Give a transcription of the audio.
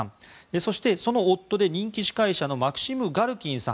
そしてその夫で人気司会者のマクシム・ガルキンさん